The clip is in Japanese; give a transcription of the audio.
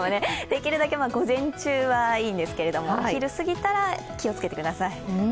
できるだけ午前中はいいんですけれども、昼すぎから気を付けてください。